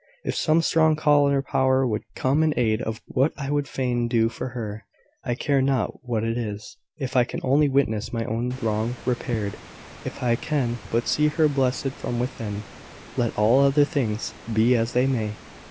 If some strong call on her power, would come in aid of what I would fain do for her, I care not what it is. If I can only witness my own wrong repaired if I can but see her blessed from within, let all other things be as they may!